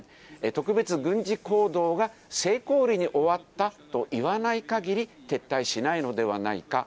特別軍事行動が成功裏に終わったと言わないかぎり、撤退しないのではないか。